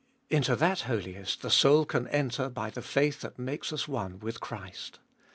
Into that Holiest the soul can enter by the faith that makes us one with Christ.